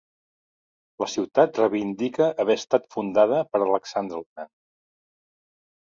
La ciutat reivindica haver estat fundada per Alexandre el Gran.